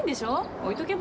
置いとけば？